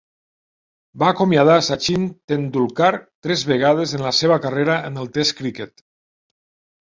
Va acomiadar Sachin Tendulkar tres vegades en la seva carrera en el test criquet.